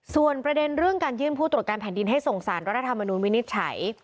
ส่วนประเด็นเรื่องการยื่นผู้ตรวจการแผ่นดินให้ส่งสารรัฐธรรมนุนวินิจฉัย